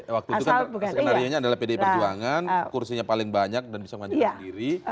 sekenarinya adalah pdi perjuangan kursinya paling banyak dan bisa mengandalkan diri